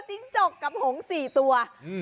จิ้งจกกับหง๔ตัว